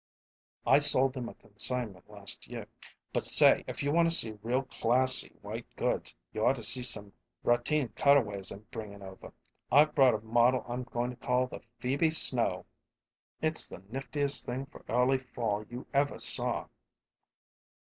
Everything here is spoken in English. "I sold them a consignment last year; but, say, if you want to see real classy white goods you ought to see some ratine cutaways I'm bringing over. I've brought a model I'm goin' to call the Phoebe Snow. It's the niftiest thing for early fall you ever saw."